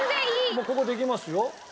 もうここできますよ。